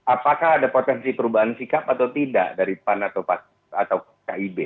apakah ada potensi perubahan sikap atau tidak dari pan atau kib